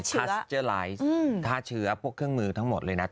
ทาเชื้อทาเชื้อพวกเครื่องมือทั้งหมดเลยนะ